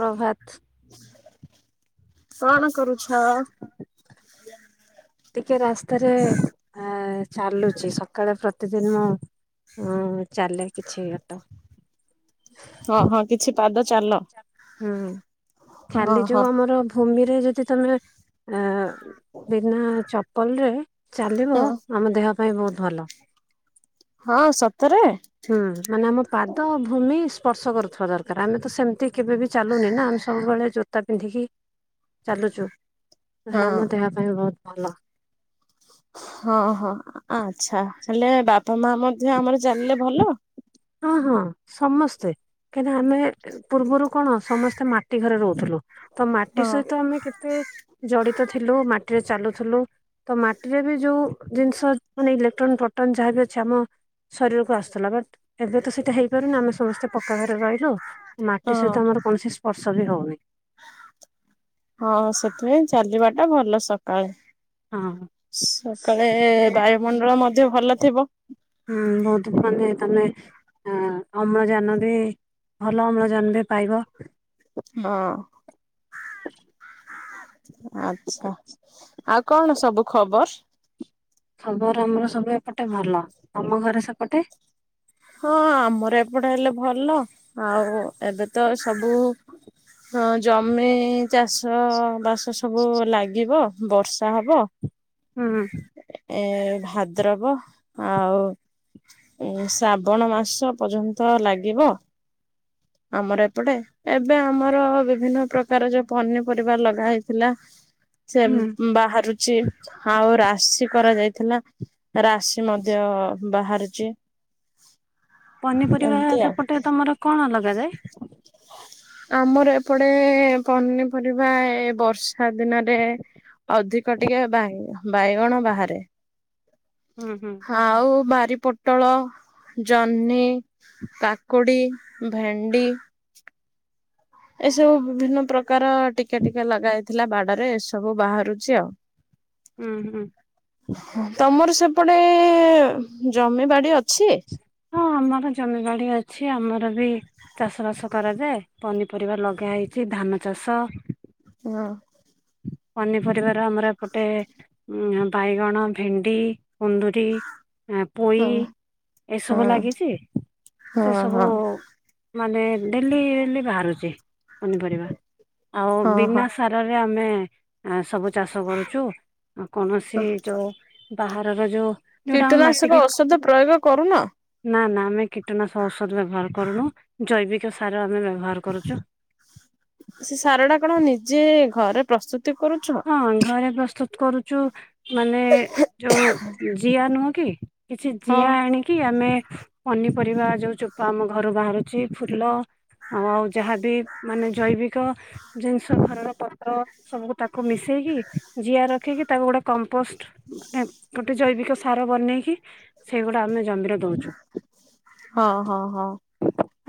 ପ୍ରଭାତ। କଣ କରୁଛ? ଟିକେ ରାସ୍ତାରେ ଆ ଚାଲୁଚି ସକାଳେ ପ୍ରତିଦିନ ମୁଁ ହଁ ଚାଲେ କିଛି ବାଟ। ହଁ ହଁ କିଛି ପାଦ ଚାଲ। ହୁଁ ହଁ ଖାଲି ହଁ ଯୋଉ ଆମର ଭୂମିରେ ଯଦି ତମେ ଅ ବିନା ଚପଲ ରେ ଚାଲିବ ହଁ। ଆମ ଦେହ ପାଇଁ ବହୁତ ଭଲ। ହଁ ସତରେ? ହୁଁ ମାନେ ଆମ ପାଦ ଭୂମି ସ୍ପର୍ଶ କରୁଥିବା ଦରକାର ଆମେ ତ ସେମିତି କେବେ ବି ଚାଲୁନି ନା ଆମେ ସବୁବେଳେ ଜୋତା ପିନ୍ଧିକି ଚାଲୁଛୁ। ହେଡା ହଁ। ଆମ ଦେହ ପାଇଁ ବହୁତ ଭଲ। ହଁ ହଁ ଆଛା ହେଲେ, ବାପା ମା ମଧ୍ୟ ଆମର ଚାଲିଲେ ଭଲ? ହଁ ହଁ ସମସ୍ତେ କାହିଁକିନା ଆମେ ପୂର୍ବରୁ କଣ ସମସ୍ତେ ମାଟି ଘରେ ରହୁଥିଲୁ। ତ ମାଟି ହଁ ସହିତ ଆମେ କେତେ ଜଡିତ ଥିଲୁ ମାଟିରେ ଚାଲୁଥିଲୁ। ତ ମାଟିରେ ବି ଯୋଉ ଜିନିଷ ମାନେ ଇଲେକ୍ଟ୍ରୋନ ପ୍ରୋଟନ ଯାହାବି ଅଛି ଆମ ଶରୀରକୁ ଆସୁଥିଲା ବଟ୍ ଏବେ ତ ସେଇଟା ହେଇପାରୁନି ଆମେ ସମସ୍ତେ ପକ୍କା ଘରେ ରହିଲୁ ମାଟି ସହିତ ଆମର କୌଣସି ସ୍ପର୍ଶ ବି ହଉନି। ହଁ ସେଥିପାଇଁ ଚାଲିବାଟା ଭଲ ସକାଳେ। ହଁ। ସକାଳେ ଏ ବାୟୁମଣ୍ଡଳ ମଧ୍ୟ ଭଲ ଥିବ। ହୁଁ ବୋହୁତ ମାନେ ତମେ ହଁ ଅମ୍ଳଜାନ ବି ଭଲ ଅମ୍ଳଜାନ ବି ପାଇବ। ହଁ। ଆଚ୍ଛା, ଆଉ କଣ ସବୁ ଖବର୍? ଖବର ଆମର ସବୁ ଏପଟେ ଭଲ, ତମ ଘରେ ସେପଟେ? ହଁ ଆମର ଏପଟେ ହେଲେ ଭଲ ଆଉ ଏବେ ତ ସବୁ ହଁ ଜମି ଚାଷ ବାସ ସବୁ ଲାଗିବ। ବର୍ଷା ହବ। ହୁଁ। ଏ ଭାଦ୍ରବ ଆଉ ଉଁ ଶ୍ରାବଣ ମାସ ପଯ୍ୟନ୍ତ ଲାଗିବ। ଆମର ଏପଟେ ଏବେ ଆମର ବିଭିନ୍ନ ପ୍ରକାର ଯୋଉ ପନିପରିବା ଲଗା ହେଇଥିଲା। ସେ ହୁଁ। ବାହାରୁଚି ଆଉ ରାଶି କରାଯାଇଥିଲା। ରାଶି ମଦ୍ୟ ବାହାରୁଚି। ପନିପରିବା ସେପଟେ ତମର କଣ ଲଗାଯାଏ? ଆମର ଏପଟେ ପନିପରିବା ଏ ବର୍ଷ୍ ଷା ଦିନରେ ଅଧିକ ଟିକେ ବାଙ୍ଗ୍-ବାଇଗଣ ବାହାରେ। ଉଁ ହୁଁ। ଆଉ ବାରି ପୋଟଳ, ଜହ୍ନି କାକୁଡ଼ି, ଭେଣ୍ଡି ଏସବୁ ବିଭିନ୍ନ ପ୍ରକାର ଟିକେ ଟିକେ ଲଗା ହେଇଥିଲା ବାଡରେ ଏ ସବୁ ବାହାରୁଚି ଆଉ। ଉଁ ହୁଁ। ତମର ସେପଟେ ଜମିବାଡ଼ି ଅଛି? ହଁ, ଆମର ଜମିବାଡ଼ି ଅଛି ଆମର ବି ଚାଷ ବାସ କରାଯାଏ ପନିପରିବା ଲଗା ହେଇଛି ଧାନ ଚାଷ ଉଁ ହଁ। ପନିପରିବାର ଆମର ଏପଟେ ଉଁ ବାଇଗଣ, ଭେଣ୍ଡି, କୁନ୍ଦୁରି ଆଁ ପୋଇ ହଁ ହଁ ଏସବୁ ଲାଗିଚି ସେ ହଁ ସବୁ ମାନେ ଡେଲି ଡେଲି ବାହାରୁଚି ପନିପରିବା ଆଉ ହଁ ହଁ ବିନା ସାରରେ ଆ ମେ ଆଁ ସବୁ ଚାଷ କରୁଚୁ କୌଣସି ହଁ। ଯୋଉ ବାହାରର ଯୋଉ ଯୋଉଟା ଆମ ମାଟିକି କୀଟନାଶକ ଔଷଦ ପ୍ରୟୋଗ କରୁନ? ନା ନା ଆମେ କୀଟନାଶ ଔଷଧ ବ୍ୟବହାର କରୁନୁ ଜୈବିକ ସାର ଆମେ ବ୍ୟବହାର କରୁଚୁ। ସେ ସାରଟା କଣ ନିଜେ ଘରେ ପ୍ରସ୍ତୁତି କରୁଛ? ହଁ, ଘରେ ପ୍ରସ୍ତୁତ୍ କରୁଚୁ ମାନେ ଯୋଉ ଜିଆ ନୁହଁ କି? କିଛି ହଁ ଜିଆ ଆଣି କି ଆମେ ପନିପରିବା ଯୋଉ ଚୋପା ଆମ ଘରୁ ବାହାରୁଚି, ଫୁଲ ଆଉ ଯାହାବି ମାନେ ଜୈବିକ ଜିନିଷ ଘରର ପତ୍ର ସବୁକୁ ତାକୁ ମିଶେଇକି ଜିଆ ରଖିକି ତାକୁ ଗୋଟେ କମ୍ପୋଷ୍ଟ ମାନେ ଗୋଟେ ଜୈବିକ ସାର ବନେଇକି ସେଇଗୁଡ଼ା ଆମେ ଜମିରେ ଦୋଉଛୁ। ହଁ ହଁ ହଁ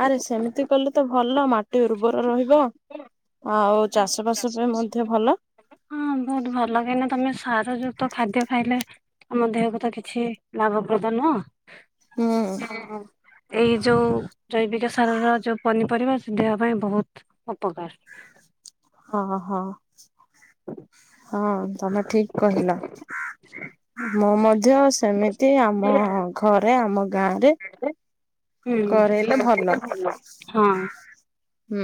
ଆରେ ସେମି ତି କଲେ ତ ଭଲ ମାଟି ଉର୍ବର ରହିବ ଆଉ ଆଉ ଚାଷ ବାସ ପାଇଁ ଚାଷବାସ ମଧ୍ୟ ଭଲ। [unintelligible] ହଁ ବୋହୁତ ଭଲ କାହିଁନା ତମେ ସାରଯୁକ୍ତ ଖାଦ୍ୟ ଖାଇଲେ ଆମ ଦେହକୁ ତ କିଛି ଲାଭପ୍ରଦ ନୁହଁ। ହୁଁ ହଁ ଏଇ ଯୋଉ ଜୈବିକ ସାରର ଯୋଉ ପନିପରିବା ସେ ଦେହ ପାଇଁ ବୋହୁତ ଉପକାର। ହଁ ହଁ ହଁ ତମେ ଠିକ୍ କହିଲ। ମୁଁ ମଧ୍ୟ ସେମିତି ଆମ ଘରେ ଆମ ଗାଁ ରେ ହୁଁ ସେମିତି ହେଲେ ଭଲ। ହୁଁ।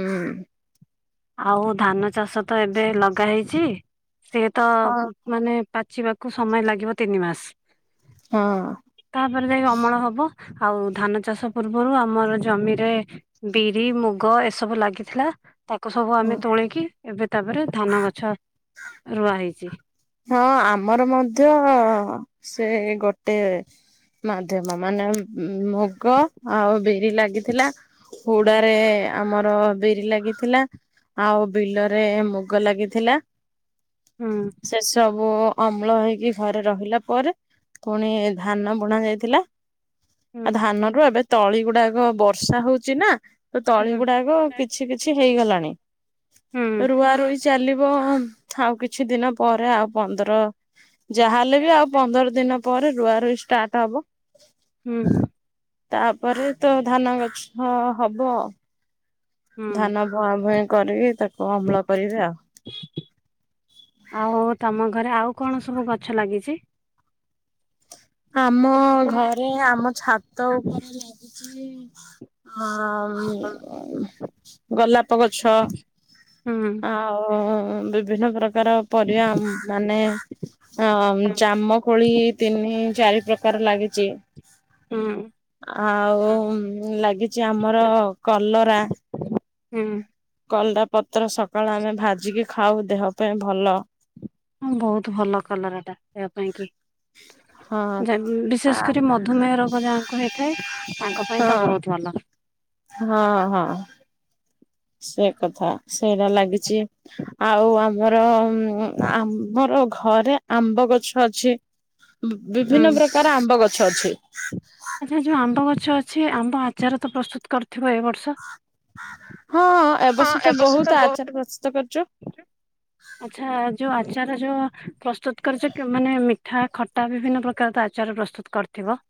ଆଉ ଧାନ ଚାଷ ତ ଏବେ ଲଗା ହେଇଛି ସଏ ତ ହଁ। ଉଁ ମାନେ ପାଚିବାକୁ ସମୟ ଲାଗିବ ତିନି ମାସ୍। ହଁ। ତାପରେ ଯାଇକି ଅମଳ ହବ ଆଉ ଧାନ ଚାଷ ପୂର୍ବରୁ ଆମର ଜମିରେ ବିରି ମୁଗ ଏସବୁ ଲାଗିଥିଲା। କୁ ସବୁ ହଁ ଆମେ ତୋଳିକି ଏବେ ତାପରେ ଧାନ ଗଛ ରୁଆ ହେଇଛି। ହଁ ଆମର ମଧ୍ୟ ସେ ଗୋଟେ ମାଧ୍ୟମ ମାନେ ଉଁ ଉଁ ମୁଗ ଆଉ ବିରି ଲାଗିଥିଲା। ହୁଡ଼ାରେ ଆମର ବିରି ଲାଗିଥିଲା। ଆଉ ବିଲରେ ମୁଗ ଲାଗିଥିଲା। ହୁଁ। ସେ ସବୁ ଅମ୍ଳ ହେଇକି ଘରେ ରହିଲା ପରେ ପୁଣି ଧାନ ବୁଣା ଯାଇଥିଲା। ହୁଁ ଆ ଧାନ ରୁ ଏବେ ତଳି ଗୁଡ଼ାକ ବର୍ଷା ହଉଛି ନା ତ ତଳି ହୁଁ। ଗୁଡ଼ାକ କିଛି କିଛି ହେଇଗଲାଣି। ହୁଁ ରୁଆ ରୁଇ ଚାଲିବ ଆଉ କିଛି ଦିନ ପରେ ଆଉ ପନ୍ଦର ଯାହାହେଲେ ବି ଆଉ ପନ୍ଦର ଦିନ ପରେ ରୁଆ ରୁଇ ଷ୍ଟାର୍ଟ ହବ। ହୁଁ। ତାପରେ ତ ଧାନ ଗଛ ହବ। ହୁଁ ଧାନ ଭଁ ଭଇଁ କରିକି ତାକୁ ଅମ୍ଳ କରିବେ ଆଉ। ଆଉ ତମ ଘରେ ଆଉ କଣ ସବୁ ଗଛ ଲାଗିଛି? ଆମ ହୁଁ ଘରେ ଆମ ଛାତ ଉପରେ ଲାଗୁଛି ଆଁ ଉଁ ଗୋଲାପ ଗଛ ହୁଁ ଆ ଆଉ ବିଭିନ୍ନ ପ୍ରକାର ପରିବା ମାନେ ହଁ ଜାମ କୋଳି ତିନି ଚାରି ପ୍ରକାର ଲାଗିଚି ହୁଁ। ଆଉ ଲାଗିଚି ଆମର କଲରା ହୁଁ। କଲଡ଼ା ପତ୍ର ସକାଳେ ଆମେ ଭାଜିକି ଖାଉ ଦେହ ପାଇଁ ଭଲ ହଁ ବହୁତ ଭଲ କଲର ଟା ଦେହ ପାଇଁ କି। ହଁ। ବିଶେଷ କରି ମଧୁମେହ ରୋଗ ଯାହାଙ୍କୁ ହେଇଥାଏ ତାଙ୍କ ପାଇଁ ହଁ ତ ବହୁତ ଭଲ ହଁ ହଁ ସେ କଥା ସେଇଟା ଲାଗିଛି। ଆଉ ଆମର ଆମର ଘରେ ଆମ୍ବ ଗଛ ଅଛି। - ବିଭିନ୍ନ ହୁଁ ପ୍ରକାର ଆମ୍ବ ଗଛ ଅଛି। ଆସି ଯୋଉ ଆମ୍ବ ଗଛ ଅଛି ଆମ୍ବ ଆଚାର ତ ପ୍ରସ୍ତୁତ କରିଥିବ ଏ ବର୍ଷ। ହଁ ଏବଷତ ବହୁତ ଆଚାର ପ୍ରସ୍ତୁତ କରୁଚୁ। ଆଚ୍ଛା ଯୋଉ ଆଚାର ଯୋଉ ପ୍ରସ୍ତୁତ କରିଚ଼ ମାନେ ମିଠା ଖଟା ବିଭିନ୍ନ ପ୍ରକାର ତ ଆ ପ୍ରଚାର ପ୍ରସ୍ତୁତ କରିଥିବ।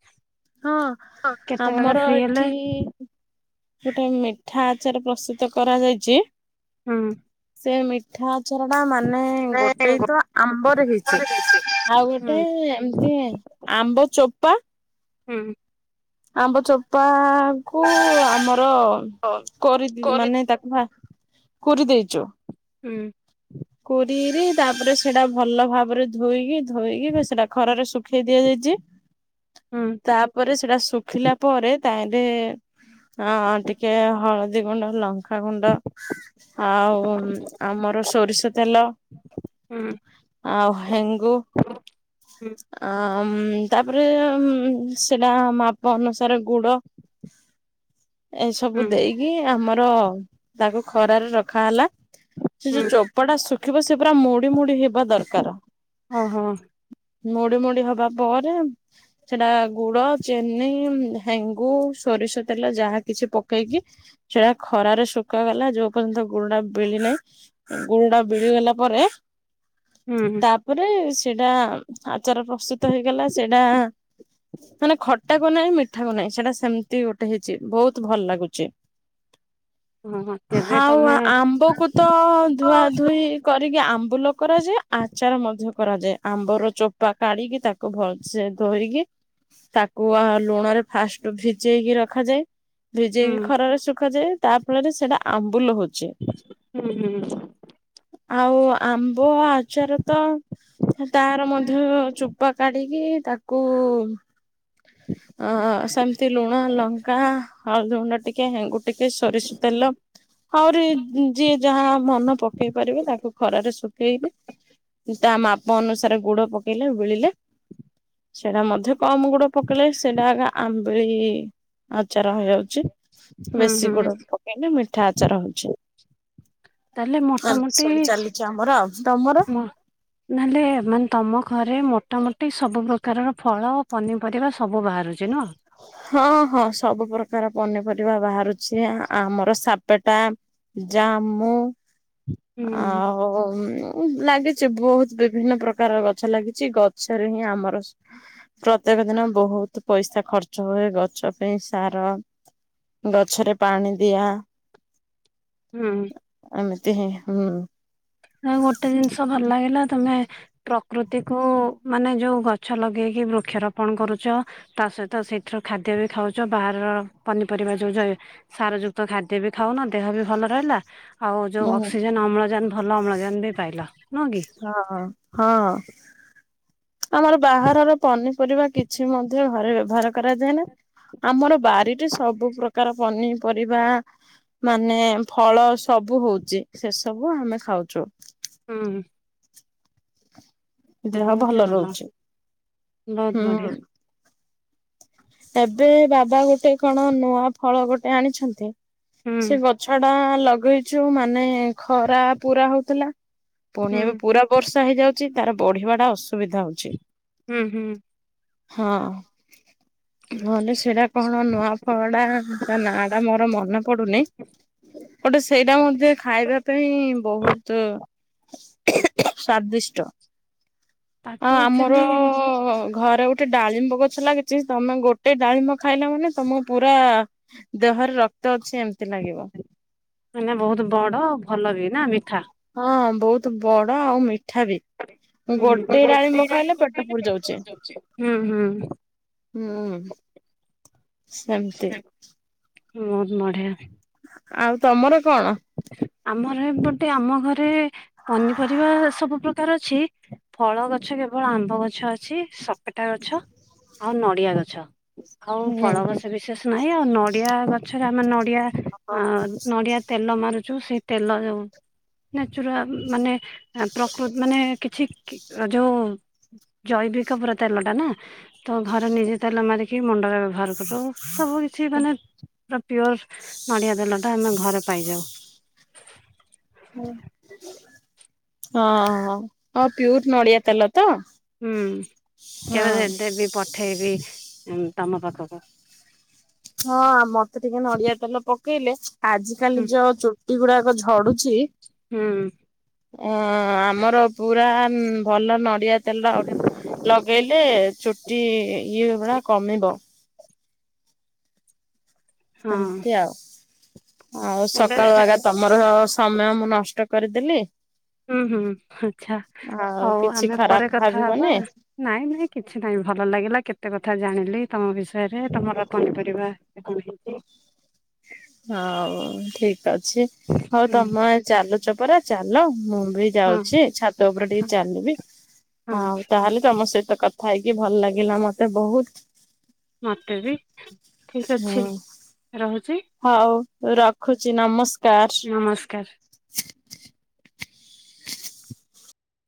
ହଁ କେତେବେଳେ ଆମର ଫ୍ରି ହେଲେ ଏଠି ଗୋଟେ ମିଠା ଆଚାର ପ୍ରସ୍ତୁତ କରାଯାଇଚି ହୁଁ। ସେ ମିଠା ଆଚାରଟା ମାନେ ଗୋଟେ ନାଇଁ ହୁଁ ତ ଆମ୍ବରେ ହେଇଛି ଆଉ ଗୋଟେ ଏମିତି ଆମ୍ବ ଚୋପା ହୁଁ। ଆମ୍ବ ଚୋପା କୁ ଆମର ହଉ କରିବି ମାନେ କରିଦିଅ। ତାକୁ ଫା କୁରି ଦେଇଛ। ହୁଁ। କୋରିରି ତାପରେ ସେଟା ଭଲ ଭାବରେ ଧୋଇକି ଧୋଇକି ସେଟା ଖରାରେ ଶୁଖେଇ ଦିଆଯାଇଚି। ଦୁଁ। ତାପରେ ସେଟା ଶୁଖିଲା ପରେ ତାହିରେ ହଁ ଟିକେ ହଳଦୀ ଗୁଣ୍ଡ ଲଙ୍କାାଗୁଣ୍ଡ ଆଉ ଆମ ଆମର ସୋରିଷ ତେଲ ହୁଁ ଆଉ ହେଙ୍ଗୁ ହୁଁ। ଆ ତାପରେ ସେଟା ମାପ ଅନୁସାରେ ଗୁଡ ଏସବୁ ହୁଁ ଦେଇକି ଆମର ତାକୁ ଖରାରେ ରଖା ହେଲା ସେ ଯୋଉ ହୁଁ ଚ କପଟା ଶୁଖିବ ସେ ପୁରା ମୋଡି ମୁଡି ହେବା ଦରକାର। ଓହୋ ମୋଡି ମୋଡି ହବା ପରେ ସେଟା ଗୁଡ ଚେନି ହେଙ୍ଗୁ ସୋରିଷ ତେଲ ଯାହା କିଛି ପକେଇକି ସେଟା ଖରାରେ ଶୁଖ ଗଲା ଯୋଉ ପର୍ଯ୍ୟନ୍ତ ଗୁଡ ଟା ବେଲି ନାହିଁ। ଗୁଣ୍ଡା ବିଳିଗଲା ପରେ ହୁଁ ହୁଁ। ତାପରେ ସେଇଟା ଆଚାର ପ୍ରସ୍ତୁତ ହେଇଗଲା ସେଇଟା ମାନେ ଖଟା କ ନାହିଁ ମିଠା କ ନାହିଁ ସେଟା ସେମିତି ଗୋଟେ ହେଇଛି ବହୁତ ଭଲ ଲାଗୁଚି। ଓହୋ ତେବେ ହାଉ ତମେ ଆମ୍ବକୁ ତ ଧୁଆ ହୁଁ ଧୁଇ କରିକି ଆମ୍ବୁଲ କରାଯାଏ ଆଚାର ମଧ୍ୟ କରାଯାଏ ଆମ୍ବର ଚୋପା କାଢିକି ତାକୁ ଭଲସେ ଧୋଇକି ତାକୁ ଆ ଲୁଣ ରେ ଫାଷ୍ଟ ଭିଜେଇକି ରଖାଯାଇ ଭିଜେଇକି ଖରାରେ ଶୁଖାଯାଏ ତା ଫଳରେ ସେଇଟା ଆମ୍ବୁଲ ହଉଛି। ହୁଁ ହୁଁ। ଆଉ ଆମ୍ବ ଆଚାର ତ ତାର ମଧ୍ୟ ଚୋପା କାଢିକି ତାକୁ ଅ ସେମିତି ଲୁଣ, ଲଙ୍କା, ହଳଦୀ ଗୁଣ୍ଡ, ଟିକେ ହେଙ୍ଗୁ ଟିକେ ସୋରିଷ ତେଲ ଆହୁରି ଯିଏ ଯାହା ମନ ପକେଇ ପାରିବେ ତାକୁ ଖରାରେ ଶୁଖେଇଲେ ତା ମାପ ଅନୁସାରେ ଗୁଡ ପକେଇଲେ ବିଳିଲେ ସେଟା ମଧ୍ୟ କମ ଗୁଡ ପକେଇଲେ ସେଟା ଆଗେ ଆମ୍ବିଳି ଆଚାର ହେଯାଉଛି ହୁଁ ବେଶୀ ହୁଁ ଗୁଡ ପକେଇଲେି ମିଠା ଆଚାର ହଉଛି। ତାହେଲେ ଏମିତି ମୋଟାମୋଟି ସବୁ ଚାଲିଛି ଆମର ଆଉ ତମର? ମ୍ ନହେଲେ ମାନେ ତମ ଘରେ ମୋଟାମୋଟି ସବୁ ପ୍ରକାରର ଫଳ ପନି ପରିବା ସବୁ ବାହାରୁଛି ନୁଅ ହଁ ହଁ ସବୁ ପ୍ରକାର ପନିପରିବା ବାହାରୁଛି ଆମର ସାପେଟା ଜାମୁ ହୁଁ ଆଉ ଲାଗିଛି ବହୁତ ବିଭିନ୍ନ ପ୍ରକାର ଗଛ ଲାଗିଛି ଗଛରେ ହିଁ ଆମର ପ୍ରତ୍ୟେକ ଦିନ ବହୁତ ପଇସା ଖର୍ଚ୍ଚ ହୁଏ ଗଛ ପାଇଁ ସାର ଗଛରେ ପାଣି ଦିଆ। ହୁଁ। ଆମେତି ହିଁ ହୁଁ। ଆଉ ଗୋଟେ ଜିନିଷ ଭଲ ଲାଗିଲା ତମେ ପ୍ରକୃତିକୁୁ ମାନେ ଯୋଉ ଗଛ ଲଗେଇକି ବୃକ୍ଷରୋପଣ କରୁଛ। ତା ସହିତ ସେଇଥିରୁ ଖାଦ୍ୟ ବି ଖାଉଛ ବାହାରର ପନିପରିବା ଯୋଉ ଯାଏ ସାର ଯୁକ୍ତ ଖାଦ୍ୟ ବି ଖାଉନ ଦେହ ବି ଭଲ ରହିଲା। ଆଉ ଯୋଉ ହୁଁ ଅକ୍ସିଜେନ ଅମ୍ଳଜାନ ଭଲ ଅମ୍ଳଜାନ ବି ପାଇଲ ନୁହଁ କି? ହଁ ହଁ ହଁ ଆମର ବାହାରର ପନି ପରିବା କିଛି ମଧ୍ୟ ଘରେ ବ୍ୟବହାର କରାଯାଏନା ଆମର ବାରିରେ ସବୁ ପ୍ରକାର ପନିପରିବା ମାନେ ଫଳ ସବୁ ହଉଛି ସେ ସବୁ ଆମେ ଖାଉଛୁ। ହୁଁ। ଦେହ ବହୁତ ହିଁ ଭଲ ରହୁଛି ବହୁତ ହୁଁ। ବଢିଆ ଏବେ ବାବା ଗୋଟେ କଣ ନୂଆ ଫଳ ଗୋଟେ ଆଣିଛନ୍ତି ହୁଁ ସେ ଗ ଛଡା ଲଗେଇଛୁ ମାନେ ଖରା ପୁରା ହଉଥିଲା ପୁଣି ହୁଁ ଏବେ ପୁରା ବର୍ଷା ହେଇଯାଉଛି ତାର ବଢିବା ଟା ଅସୁବିଧା ହଉଛି। ହୁଁ ହୁଁ ହଁ। ନହେଲେ ସେଟା କଣ ନୂଆ ଫଳଟା ତା ନା ଟା ମୋର ମନେ ପଡ ପଡୁନି ଗୋଟେ ସେଇଟା ମଧ୍ୟ ଖାଇବା ପାଇଁ ବହୁତ ସ୍ଵାଦିଷ୍ଟ ତାକୁ ଆଉ ଆମର ଆକ୍ଚୁଆଲି ଅ ଘରେ ଗୋଟେ ଡାଳିମ୍ବ ଗଛ ଲାଗିଛି ତମେ ଗୋଟେ ଡାଳିମ୍ବ ଖାଇଲ ମାନେ ତମକୁ ପୁରା ଦେହରେ ରକ୍ତ ଅଛି ଏମିତି ଲାଗିବ। ମାନେ ବହୁତ ବଡ ଆଉ ଭଲ ବି ନା ମିଠା। ହଁ ବହୁତ ବଡ ଆଉ ମିଠା ବି। ହୁଁ ହୁଁ ଗୋଟେ ଡାଳିମ୍ବ ଖାଇଲେ ପେଟ ପୁରି ଯାଉଚି। ହୁଁ ହୁଁ ସେମତି। ବହୁତ ବଢ଼ିଆ। ଆଉ ତମର କଣ? ଆମର ଏପଟେ ଆମ ଘରେ ପନିପରିବା ସବୁ ପ୍ରକାର ଅଛି। ଫଳ ଗଛ କେବଳ ଆମ୍ବ ଗଛ ଅଛି ସପେଟା ଗଛ ଆଉ ନଡିଆ ଗଛ। ଆଉ ହୁଁ ଫଳ ହୁଁ ଗଛ ବିଶେଷ ନାହିଁ ଆଉ ନଡିଆ ଗଛରେ ଆମେ ନଡିଆ ହଁ ନଡିଆ ତେଲ ମାରୁଛୁ ସେଇ ତେଲ ଯୋଉ ନାଚୁରାଲ ମାନେ ପ୍ରକୃତ ମାନେ କିଛି ଯୋଉ ଜୈବିକ ପୁରା ତେଲ ଟା ନା ତ ଘରେ ନିଜେ ତେଲ ମାରିକି ମୁଣ୍ଡରେ ବ୍ୟବହାର କରୁ ସବୁ କିଛି ମାନେ ପୁରା ପିଓର ନଡିଆ ତେଲ ଟା ଆମେ ଘରେ ପାଇଯାଉ। ହଁ ହଁ ହଁ ପିଓର ନଡିଆ ତେଲ ତ? ହୁଁ ହଁ। କେବେ ଦେବି ପଠେଇବି ତମ ପାଖକୁ। ହଁ ମତେ ଟିକେ ନଡିଆ ତେଲ ପକେଇଲେ ଆଜି କାଲି ହୁଁ ଯୋଉ ଚୁଟି ଗୁଡାକ ଝଡୁଛି ହୁଁ ଆଁ ଆମର ପୁରା ଭଲ ନଡିଆ ତେଲ ହଁ ଲଗେଇଲେ ଚୁଟି ଇଏ ହବା କମିବ। ଏମିତି ଆଉ ଆଉ ଏବେ ସକାଳୁଆ ଗା ତମର ସମୟ ମୁଁ ନଷ୍ଟ କରିଦେଲି। ହୁଁ ହୁଁ ଆଛା ଆଉ ହଉ କିଛି ଆମେ ଖରାପ ପରେ କଥା ହବା। ଭାବିବନି ନାଇଁ ନାଇଁ କିଛି ନାଇଁ ଭଲ ଲାଗିଲା କେତେ କଥା ଜାଣିଲି ତମ ବିଷୟରେ ତମର ପନିପରିବା କଣ ହେଇଚି। ହଉ ଠିକ ଅଛି ହଉ ହୁଁ ତମ ଆଁ ଚାଲୁ ଚ ପରା ଚାଲ ମୁଁ ବି ହଁ ଯାଉଛି ଛାତ ଉପରେ ହଁ ଟିକେ ଚାଲିବି। ହଁ ଆଉ ତାହେଲେ ତମ ସହିତ କଥା ହେଇକି ଭଲ ଲାଗିଲା ମତେ ବହୁତ। ମୋତେ ବି ଠିକ ଅଛି ହୁଁ ରହୁଛି। ହଉ ରଖୁଛି ନମସ୍କାର। ନମସ୍କାର। [inaudible]